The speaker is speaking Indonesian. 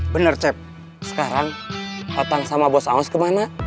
bener cep sekarang otang sama bos aos kemana